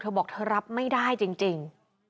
บอกเธอรับไม่ได้จริง